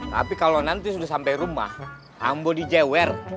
tapi kalo nanti udah sampe rumah ambo dijewer